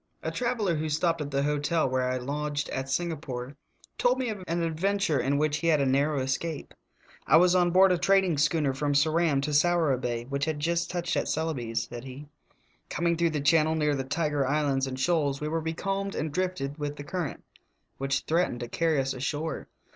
A traveler who stopped at the hotel where I lodged at Singapore told me of an adventure in which he had a narrow escape : "I was on board a trading schooner from Ceram to Sourabaya, which had just touched at Celebes," said he; "coming through the channel near the Tiger Islands and Shoals, we were becalmed and drifted with the current, which threatened to earry us ashore.